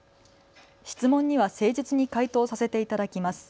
質問には誠実に回答させていただきます。